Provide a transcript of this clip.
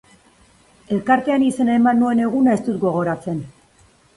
Elkartean izena eman nuen eguna ez dut gogoratzen.